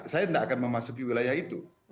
saya tidak akan memasuki wilayah itu